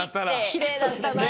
きれいだったな。